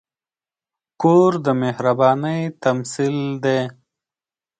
کور د مهربانۍ تمثیل دی.